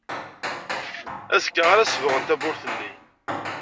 Azekka ara sebɣen tawwurt-nni.